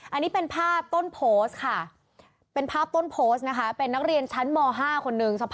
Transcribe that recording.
อันนี้เป็นภาพต้นโพสต์ค่ะเป็นนักเรียนชั้นม๕คนนึง